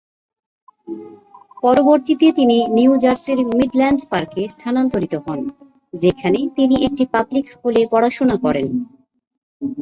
পরবর্তীতে তিনি নিউ জার্সির মিডল্যান্ড পার্কে স্থানান্তরিত হন, যেখানে তিনি একটি পাবলিক স্কুলে পড়াশুনা করেন।